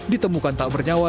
ditemukan tak bernyawa